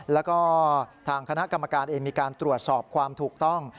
แล้วก็ทางคณะกรรมการเองมีการตรวจสอบความถูกต้อง